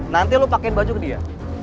nanti lu pakein baju ke dia